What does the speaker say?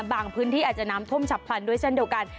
พื้นที่อาจจะน้ำท่วมฉับพลันด้วยเช่นเดียวกัน